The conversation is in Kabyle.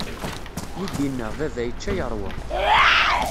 Mi d-inna, baba yečča yeṛwa.